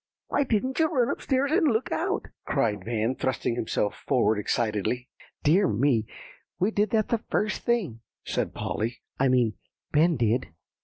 "Why didn't you run up stairs, and look out?" cried Van, thrusting himself forward excitedly. "Dear me, we did that the first thing," said Polly; "I mean, Ben did.